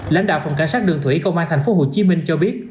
lãnh đạo phòng cảnh sát đường thủy công an tp hcm cho biết